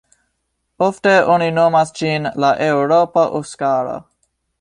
Ofte oni nomas ĝin la "eŭropa Oskaro".